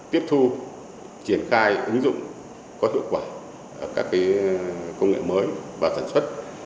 tiếp thu triển khai ứng dụng có hiệu quả các công nghệ mới